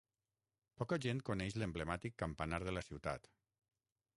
Poca gent coneix l'emblemàtic campanar de la ciutat.